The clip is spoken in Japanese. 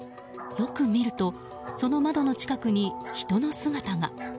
よく見るとその窓の近くに人の姿が。